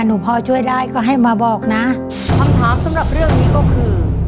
หนูพอช่วยได้ก็ให้มาบอกนะคำถามสำหรับเรื่องนี้ก็คือ